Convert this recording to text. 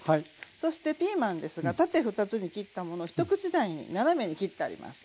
そしてピーマンですが縦２つに切ったものを一口大に斜めに切ってあります。